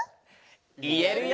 いえるよ！